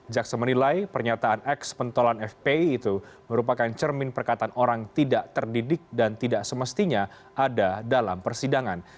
jaksa menilai pernyataan eks pentolan fpi itu merupakan cermin perkataan orang tidak terdidik dan tidak semestinya ada dalam persidangan